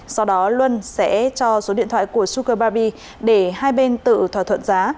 sau đó luân sẽ cho số điện thoại của suker baby để hai bên tự thỏa thuận giá